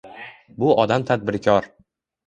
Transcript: Bu odam tadbirkor